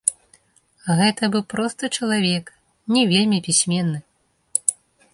Гэта быў просты чалавек, не вельмі пісьменны.